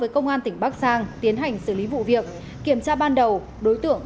với công an tỉnh bắc giang tiến hành xử lý vụ việc kiểm tra ban đầu đối tượng